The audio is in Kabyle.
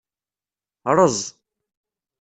Ṛez.